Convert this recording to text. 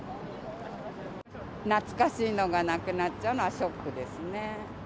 懐かしいのがなくなっちゃうのはショックですね。